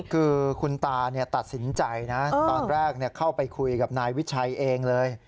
คือคุณตาตัดสินใจนะตอนแรกเข้าไปคุยกับนายวิชัยเองเลย